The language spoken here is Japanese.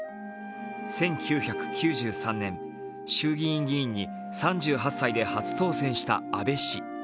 １９９３年、衆議院議員に、３８歳で初当選した安倍氏。